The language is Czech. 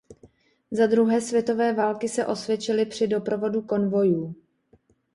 Za druhé světové války se osvědčily při doprovodu konvojů.